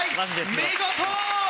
見事！